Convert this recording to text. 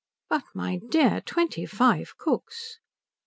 "But my dear, twenty five cooks?"